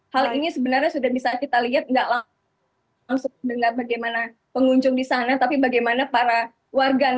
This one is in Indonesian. hal ini sebenarnya sudah bisa kita lihat tidak langsung dengar bagaimana pengunjung di sana tapi bagaimana para warga net memberi komentar di sosial media